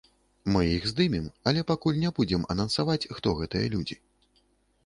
Мы іх здымем, але пакуль не будзем анансаваць, хто гэтыя людзі.